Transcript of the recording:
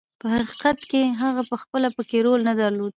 په حقیقت کې هغه پخپله پکې رول نه درلود.